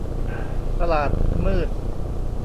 ตลาดมืด